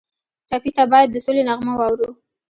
ټپي ته باید د سولې نغمه واورو.